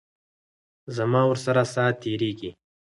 زما ورسره ساعت تیریږي.